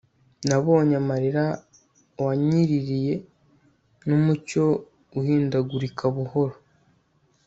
nabonye amarira wanyiririye, numucyo uhindagurika buhoro